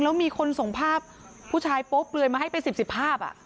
แล้วมีคนส่งภาพผู้ชายโป๊เปลือยมาให้เป็น๑๐ภาพ